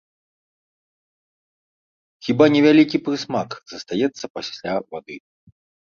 Хіба невялікі прысмак застаецца пасля вады.